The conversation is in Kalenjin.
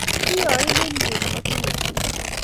I Ya-indet, nye, ne bo tuguk tugul.